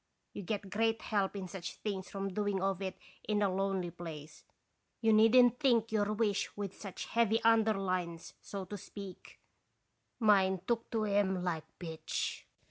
You get great help in such things from doing of it in a lonely place; you needn't think your wish with such heavy under lines, so to speak; mine took to 'em like pitch.